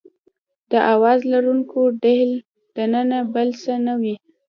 د اواز لرونکي ډهل دننه بل څه نه وي.